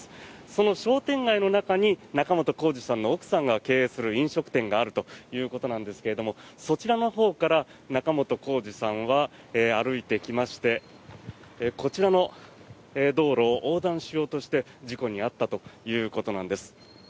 その商店街の中に仲本工事さんの奥さんが経営する飲食店があるということなんですがそちらのほうから仲本工事さんは歩いてきましてこちらの道路を横断しようとして事故に遭ったということなんです。